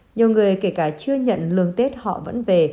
nhiều người kể cả chưa nhận lương tết họ vẫn về